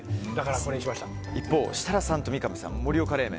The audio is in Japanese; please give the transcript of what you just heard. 一方、設楽さんと三上さんは盛岡冷麺。